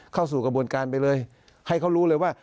เข้าสู่กระบวนการไปเลยให้เขารู้เลยว่า